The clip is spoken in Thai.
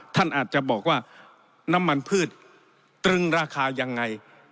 ท่านอาจจะบอกว่าน้ำมันพืชตรึงราคายังไง